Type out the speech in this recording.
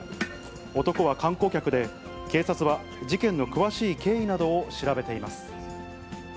男は観光客で、警察は事件の詳しい経緯などを調べています。